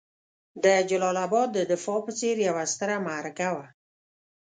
د جلال اباد د دفاع په څېر یوه ستره معرکه وه.